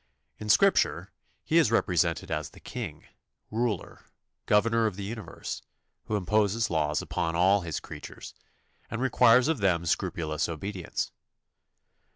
In Scripture He is represented as the King, Ruler, Governor of the universe, who imposes laws upon all His creatures, and requires of them scrupulous obedience.